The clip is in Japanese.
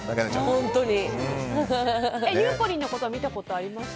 ゆうこりんのこと見たことありました？